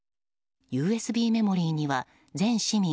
ＵＳＢメモリーには全市民